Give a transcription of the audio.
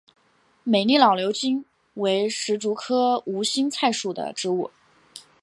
美丽老牛筋为石竹科无心菜属的植物。